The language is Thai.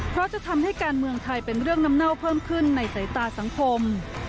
เพราะจะทำให้การเมืองไทยเป็นเรื่องน้ำเน่าเพิ่มขึ้นในสายตาสังคม